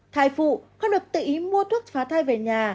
thai phụ không được tự ý mua thuốc phá thai về nhà